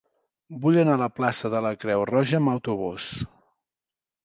Vull anar a la plaça de la Creu Roja amb autobús.